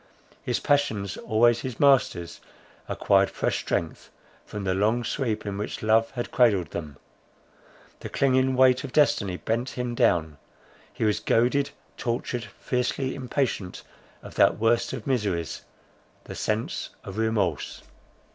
His passions, always his masters, acquired fresh strength, from the long sleep in which love had cradled them, the clinging weight of destiny bent him down; he was goaded, tortured, fiercely impatient of that worst of miseries, the sense of remorse.